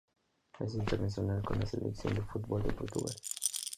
Es internacional con la selección de fútbol de Portugal.